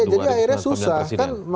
jadi akhirnya susah